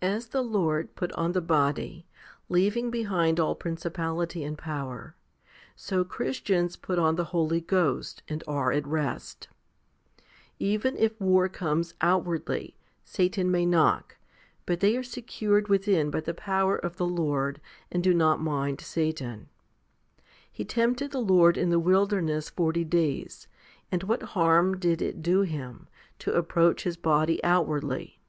15. As the Lord put on the body, leaving behind all principality and power, so Christians put on the Holy Ghost, and are at rest. Even if war comes outwardly, Satan may knock, but they are secured within by the power of the Lord, and do not mind Satan. He tempted the Lord in the wilderness forty days, and what harm did it do Him, to approach His body outwardly